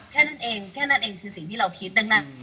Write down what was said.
แค่นั้นเองแค่นั้นเองคือสิ่งที่เราคิดดัง